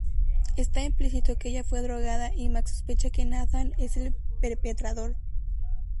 Está implícito que ella fue drogada, y Max sospecha que Nathan es el perpetrador.